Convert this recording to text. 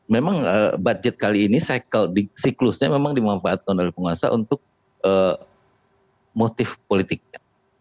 memang budget kali ini siklusnya memang dimanfaatkan oleh penguasa untuk motif politiknya